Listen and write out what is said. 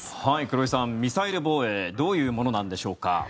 黒井さん、ミサイル防衛どういうものなんでしょうか。